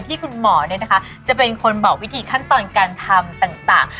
ที่คุณหมอจะเป็นคนบอกวิธีขั้นตอนการทำต่าง